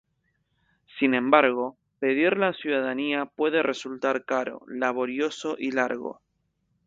Sin embargo, pedir la ciudadanía puede resultar caro, laborioso y largo.